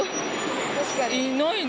確かに。